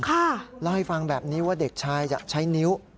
เล่าให้ฟังแบบนี้ว่าเด็กชายจะใช้นิ้ว